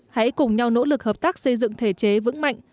hãy cùng nhau nỗ lực hợp tác xây dựng thể chế vững mạnh